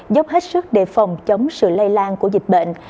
giúp hết sức để phòng chống sự lây lan của dịch bệnh